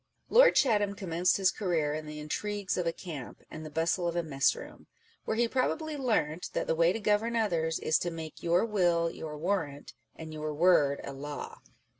Lord Chatham commenced his career in the intrigues of a camp and the bustle of a mess room ; where he probably learnt that the way to govern others is to make your will your warrant, and your word a law.